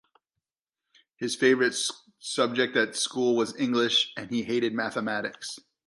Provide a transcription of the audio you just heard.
His favourite subject at school was English and he hated Mathematics.